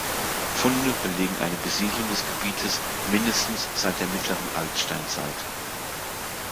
Funde belegen eine Besiedlung des Gebietes mindestens seit der mittleren Altsteinzeit.